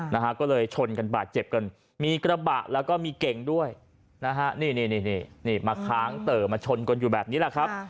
นะฮะก็เลยชนกันบาดเจ็บกันมีกระบะแล้วก็มีเก่งด้วยนะฮะนี่นี่มาค้างเต๋อมาชนกันอยู่แบบนี้แหละครับ